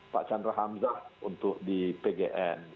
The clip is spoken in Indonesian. pak chandra hamzah untuk di pgn